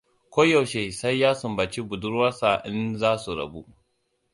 Ko yaushe sai ya sumbaci budurwarsa in za su rabu.